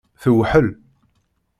Tewḥel.